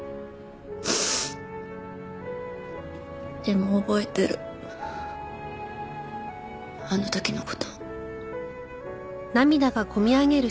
でも覚えてるあの時の事。